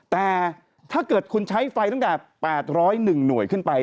แต่ถ้าเกิดคุณใช้ไฟตั้งแต่๘๐๑หน่วยขึ้นไป